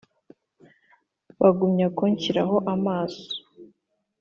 bagumya kunshyiraho amaso